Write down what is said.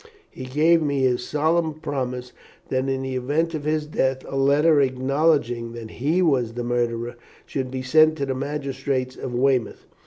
He gave me his solemn promise that in the event of his death a letter acknowledging that he was the murderer should be sent to the magistrates of Weymouth.